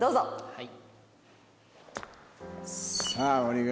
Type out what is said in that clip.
はい。